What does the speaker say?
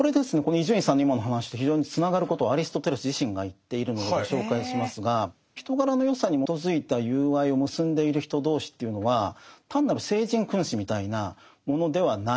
伊集院さんの今の話と非常につながることをアリストテレス自身が言っているのでご紹介しますが人柄の善さに基づいた友愛を結んでいる人同士というのは単なる聖人君子みたいなものではないんです。